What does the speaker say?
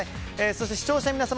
そして、視聴者の皆様